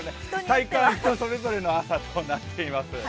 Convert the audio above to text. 体感、人それぞれの朝となっています。